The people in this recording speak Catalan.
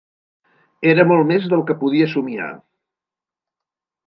Era molt més del que podia somiar.